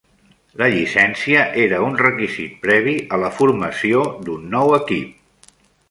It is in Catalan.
La llicència era un requisit previ a la formació d'un nou equip.